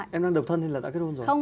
em đang độc thân thì đã kết hôn rồi